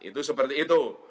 itu seperti itu